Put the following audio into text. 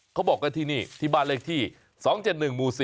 เขาบอกกันที่นี่ที่บ้านเลขที่๒๗๑หมู่๔